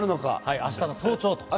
明日の早朝。